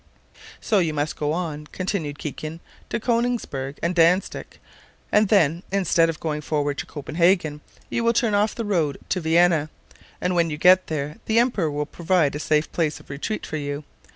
"So you must go on," continued Kikin, "to Konigsberg and Dantzic; and then, instead of going forward toward Copenhagen, you will turn off on the road to Vienna, and when you get there the emperor will provide a safe place of retreat for you.